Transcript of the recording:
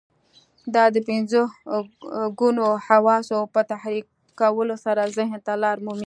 دا د پنځه ګونو حواسو په تحريکولو سره ذهن ته لار مومي.